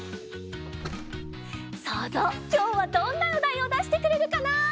そうぞうきょうはどんなおだいをだしてくれるかな？